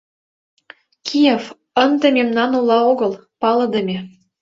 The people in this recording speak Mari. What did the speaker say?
Киев ынде мемнан ола огыл, палыдыме.